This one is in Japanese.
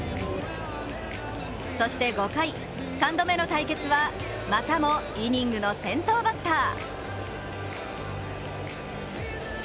そして５回、３度目の対決はまたもイニングの先頭バッター。